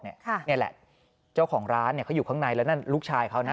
นี่แหละเจ้าของร้านเขาอยู่ข้างในแล้วนั่นลูกชายเขานะ